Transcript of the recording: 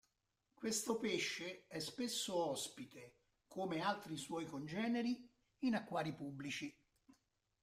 Questo pesce è spesso ospite, come altri suoi congeneri, in acquari pubblici.